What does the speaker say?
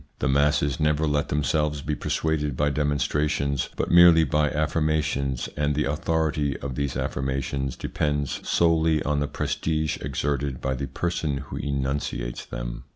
The masses never let them selves be persuaded by demonstrations, but merely by affirmations, and the authority of "these affirmations depends solely on the prestige exerted by the person who enunciates them.